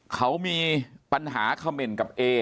เขามีปัญหาเขม่นกับเอ